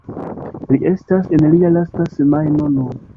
Li estas en lia lasta semajno nun.